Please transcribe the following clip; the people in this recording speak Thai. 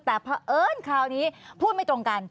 แต่เพราะเอิญคราวนี้พูดไม่ตรงกัน